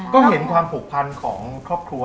ก็เห็นความผูกพันของครอบครัว